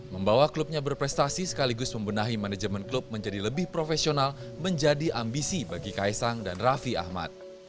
membawa klubnya berprestasi sekaligus membenahi manajemen klub menjadi lebih profesional menjadi ambisi bagi kaisang dan raffi ahmad